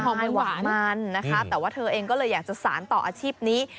ใช่ห่อม้ำหวานนะคะแต่ว่าเธอเองก็เลยอยากชาญต่ออาชีพนี้